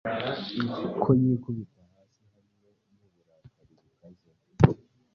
Ko yikubita hasi Hamwe nuburakari bukaze